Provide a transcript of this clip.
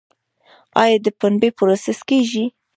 آیا د پنبې پروسس کیږي؟